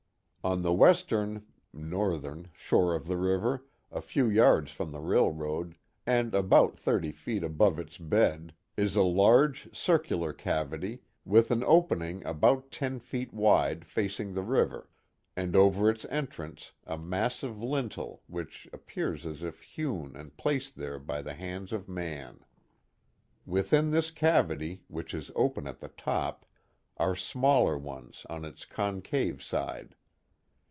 On the western (northern) shore of the river a few yards from the railroad and about thirty feet above its bed is a large circulai cavity with an opening about ten feet wide facing the river, and over its entrance a massive lintel which appears as if hewn and placed there by the hands of man. Within this cavity, which is open at the top, are smaller ones on its concave side.